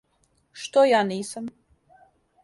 Што ја нисам.